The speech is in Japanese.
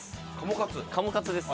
鴨カツです